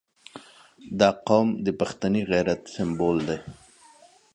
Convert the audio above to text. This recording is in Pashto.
• دا قوم د پښتني غیرت سمبول دی.